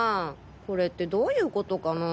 これってどういうことかな？